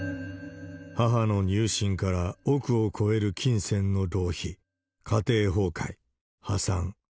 母の入信から億を超える金銭の浪費、家庭崩壊、破産。